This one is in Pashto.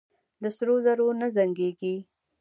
د سرو زرو نه زنګېږي.